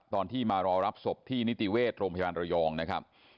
ตอนที่มารอรับศพที่นิติเวชโรงพยาบาลระยองนะครับ